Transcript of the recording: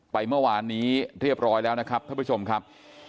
ไปเมื่อวานนี้เรียบร้อยแล้วนะครับท่านผู้ชมครับ